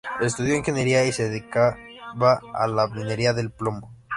Estudió ingeniería, y se dedicaba a la minería del plomo.